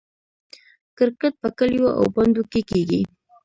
کرکټ په کلیو او بانډو کې کیږي.